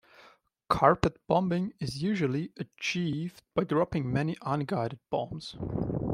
Carpet bombing is usually achieved by dropping many unguided bombs.